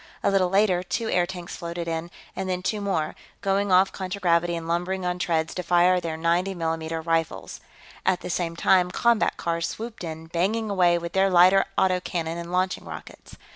A little later, two airtanks floated in, and then two more, going off contragravity and lumbering on treads to fire their 90 mm rifles. At the same time, combat cars swooped in, banging away with their lighter auto cannon and launching rockets.